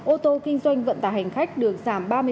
ô tô kinh doanh vận tải hành khách được giảm